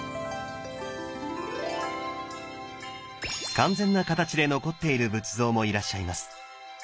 完全な形で残っている仏像もいらっしゃいます。